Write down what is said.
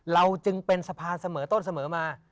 เราจึงเป็นสะพานเสมอต้นเสมอมา